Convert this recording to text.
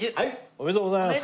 おめでとうございます！